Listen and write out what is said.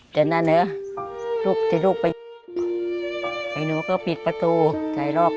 เมื่อเมื่อเมื่อเมื่อ